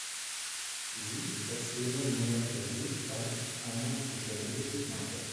Sie "erzählen" mehr über sich als eine gestempelte Briefmarke.